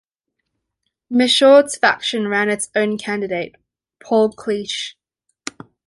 Michaud's faction ran its own candidate: Paul Cliche.